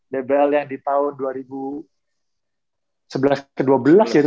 kalo tahun dua ribu sebelas ke dua ribu dua belas sih